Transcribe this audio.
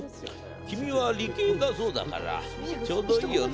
君は理系だそうだからちょうどいいよね。」